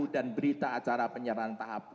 dan berita acara penyerahan tahap